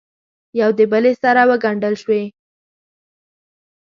یو دبلې سره وګنډل شوې